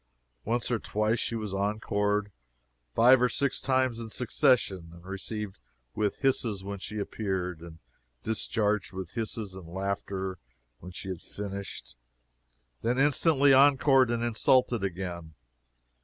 Once or twice she was encored five and six times in succession, and received with hisses when she appeared, and discharged with hisses and laughter when she had finished then instantly encored and insulted again!